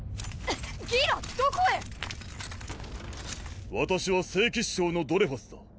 ギーラどこへ⁉私は聖騎士長のドレファスだ。